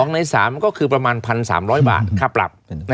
ใน๓ก็คือประมาณ๑๓๐๐บาทค่าปรับ